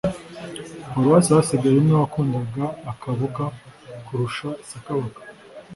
paruwasi hasigaye umwe wakundaga akaboga kurusha sakabaka.